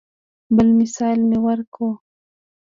بل مثال مې ورکو.